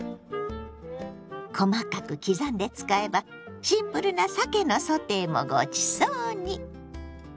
細かく刻んで使えばシンプルなさけのソテーもごちそうに！